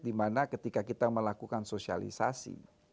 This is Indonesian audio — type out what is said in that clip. dimana ketika kita melakukan sosialisasi